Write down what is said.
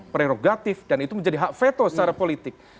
prerogatif dan itu menjadi hak veto secara politik